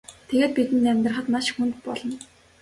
Тэгээд бидэнд амьдрахад маш хүнд болно.